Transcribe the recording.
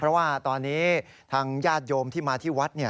เพราะว่าตอนนี้ทางญาติโยมที่มาที่วัด